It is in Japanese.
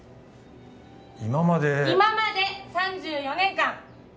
今まで今まで３４年間！